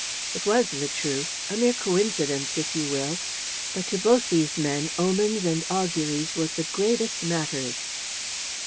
It was the truth, a mere coincidence if you will, but to both these men omens and auguries were the gravest matters.